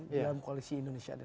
dalam koalisi indonesia